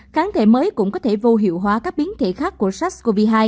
kháng thể mới cũng có thể vô hiệu hóa các biến thể khác của sars cov hai